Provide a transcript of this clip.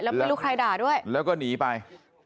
แล้วไม่รู้ใครด่าด้วยแล้วก็หนีไป